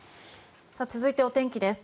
続いてお天気です。